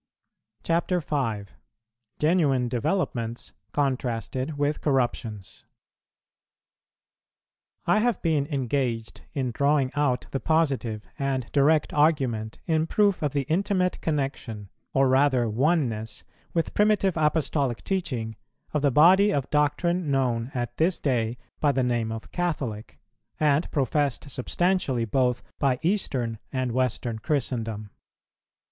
CHAPTER V. GENUINE DEVELOPMENTS CONTRASTED WITH CORRUPTIONS. I have been engaged in drawing out the positive and direct argument in proof of the intimate connexion, or rather oneness, with primitive Apostolic teaching, of the body of doctrine known at this day by the name of Catholic, and professed substantially both by Eastern and Western Christendom.